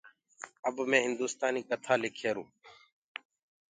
اب مي هندُستآنيٚ ڪٿآ لک هيرو